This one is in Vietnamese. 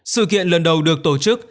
sự kiện lần đầu được tổ chức